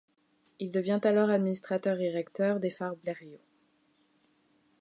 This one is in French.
Il devient alors administrateur irecteur des Phares Blériot.